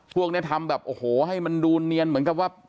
พวกนี้ทำแบบโอ้โหให้มันดูเนียนเหมือนกับว่า